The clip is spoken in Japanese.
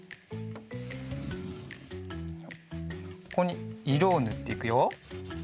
ここにいろをぬっていくよ。